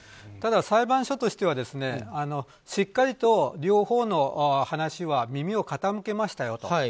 ただ、裁判所としてはしっかりと両方の話には耳を傾けましたよと。